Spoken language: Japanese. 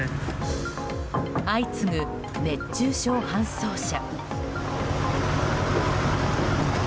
相次ぐ熱中症搬送者。